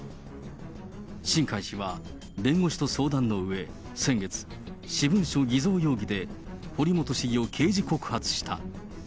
新開氏は、弁護士と相談のうえ、先月、私文書偽造容疑で堀本市議を刑事告発した。